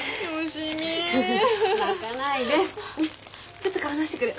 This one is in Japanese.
ちょっと顔直してくる。